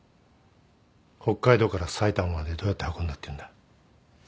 北海道から埼玉までどうやって運んだっていうんだ。